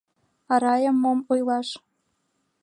А Раям мом ойлаш?